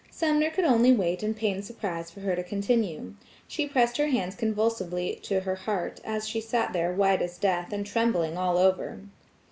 Sumner could only wait in pained surprise for her to continue. She pressed her hands convulsively to her heart, as she sat there white as death, and trembling all over.